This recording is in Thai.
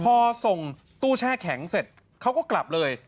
พอส่งตู้แช่แข็งเสร็จเขาก็กลับเลย